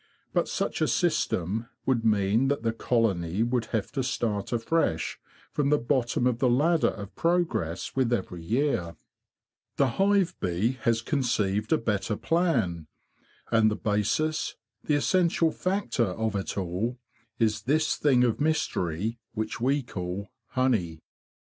But such a system would mean that the colony would have to start afresh from the bottom of the ladder of progress with every year. The hive bee has conceived a better plan, and the basis, the essential factor of it all, is this thing of mystery which we call honey.